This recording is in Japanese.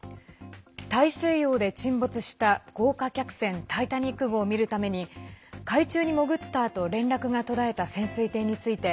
大西洋で沈没した豪華客船タイタニック号を見るために海中に潜ったあと連絡が途絶えた潜水艇について